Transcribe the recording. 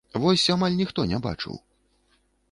Вось амаль ніхто не бачыў.